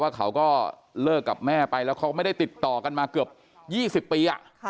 เขาก็เลิกกับแม่ไปแล้วเขาไม่ได้ติดต่อกันมาเกือบ๒๐ปี